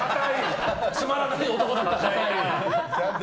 つまらない男だった！